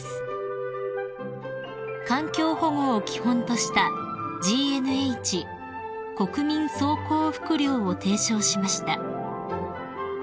［環境保護を基本としたＧＮＨ国民総幸福量を提唱しました］